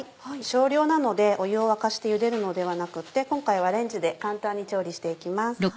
少量なので湯を沸かしてゆでるのではなくて今回はレンジで簡単に調理して行きます。